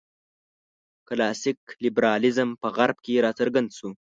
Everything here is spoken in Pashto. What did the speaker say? کلاسیک لېبرالېزم په غرب کې راڅرګند شو.